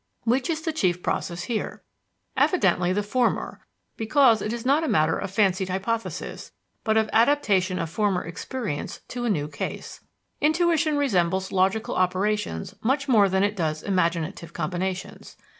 Which is the chief process here? Evidently the former, because it is not a matter of fancied hypothesis, but of adaptation of former experience to a new case. Intuition resembles logical operations much more than it does imaginative combinations.